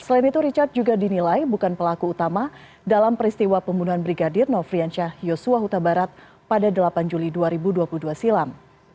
selain itu richard juga dinilai bukan pelaku utama dalam peristiwa pembunuhan brigadir nofriansyah yosua huta barat pada delapan juli dua ribu dua puluh dua silam